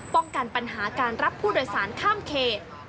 ป้องกันปัญหาการรับผู้โดยสารข้ามเขต